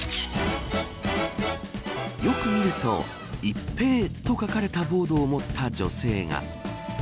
よく見るとＩＰＰＥＩと書かれたボードを持った女性が。